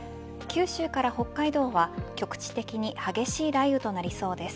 九州から北海道は局地的に激しい雷雨となりそうです。